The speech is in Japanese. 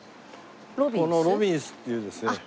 このロビンスっていうですね。